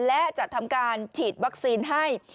และจะทำการฉีดวัคซีนให้